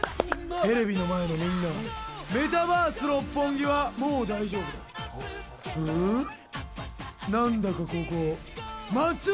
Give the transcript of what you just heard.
テレビの前のみんなメタバース六本木はもう大丈夫だ。